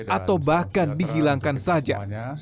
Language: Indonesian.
atau bahkan dihilangkan saja